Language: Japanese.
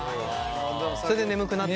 それで眠くなって。